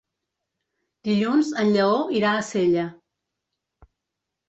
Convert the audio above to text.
Dilluns en Lleó irà a Sella.